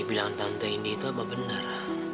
bilang tante ini itu apa benar